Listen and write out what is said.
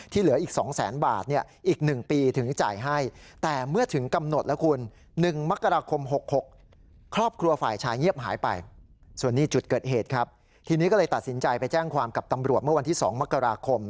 ที่เหลืออีก๒๐๐๐๐๐บาทเนี่ย